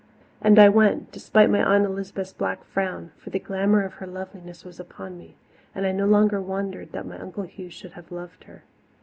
And I went, despite my Aunt Elizabeth's black frown, for the glamour of her loveliness was upon me, and I no longer wondered that my Uncle Hugh should have loved her.